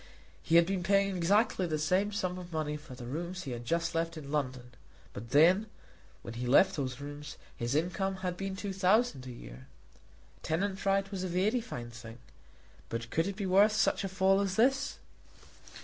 He had been paying exactly the same sum of money for the rooms he had just left in London; but then, while he held those rooms, his income had been two thousand a year. Tenant right was a very fine thing, but could it be worth such a fall as this?